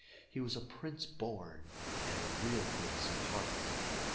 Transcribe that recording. He was a prince born, and a real prince at heart.